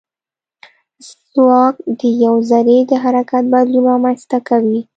ځواک د یوې ذرې د حرکت بدلون رامنځته کوي.